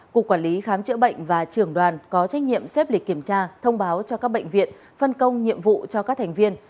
cục quản lý khám chữa bệnh và trưởng đoàn có trách nhiệm xếp lịch kiểm tra thông báo cho các bệnh viện phân công nhiệm vụ cho các thành viên